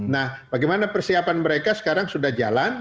nah bagaimana persiapan mereka sekarang sudah jalan